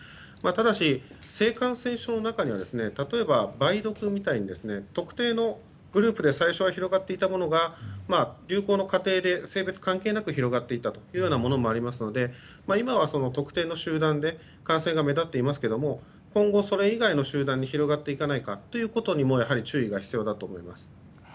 ただし、性感染症の中には例えば梅毒みたいに特定のグループで最初は広がっていたものが流行の過程で性別関係なく広がっていったものもありますので今は特定の集団で感染が目立っていますけども今後それ以外の集団に広がっていかないかということにもやはり注意が必要だと思います。